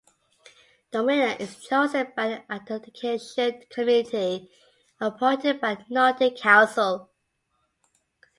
The winner is chosen by an adjudication committee appointed by the Nordic Council.